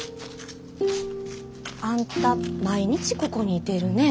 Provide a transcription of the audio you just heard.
あんた毎日ここにいてるねえ？